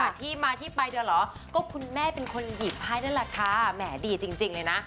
ที่มาที่ไปด้วยเหรอก็คุณแม่เป็นคนหยิบให้นั่นแหละค่ะแหมดีจริงจริงเลยนะ